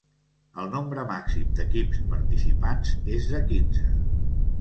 El nombre màxim d’equips participants és de quinze.